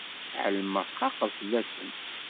Ԑelmeɣ txaqeḍ fell-asen.